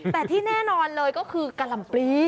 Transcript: แต่ที่แน่นอนเลยก็คือกะหล่ำปลี